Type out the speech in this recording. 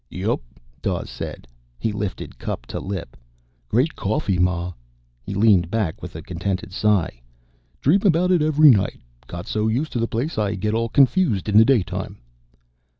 "Yep," Dawes said. He lifted cup to lip. "Great coffee, Ma." He leaned back with a contented sigh. "Dream about it every night. Got so used to the place, I get all confused in the daytime."